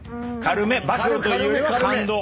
暴露というよりは感動。